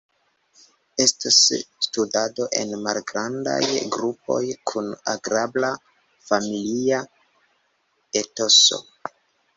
Estos studado en malgrandaj grupoj kun agrabla familia etoso.